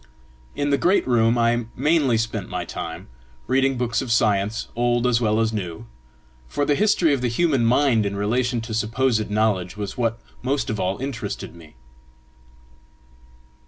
In the great room I mainly spent my time, reading books of science, old as well as new; for the history of the human mind in relation to supposed knowledge was what most of all interested me.